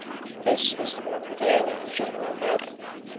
This was the most prevailing and general motive.